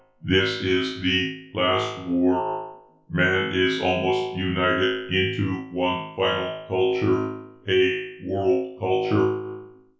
This is the last war. Man is almost united into one final culture a world culture.